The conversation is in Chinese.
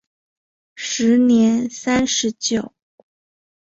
时年三十九。